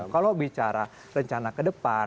kalau bicara rencana ke depan